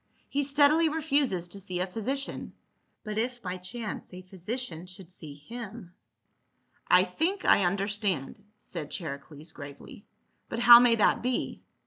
He steadily refuses to see a physi cian ; but if by chance a physician should see him —"" I think I understand," said Charicles gravely. " But how may that be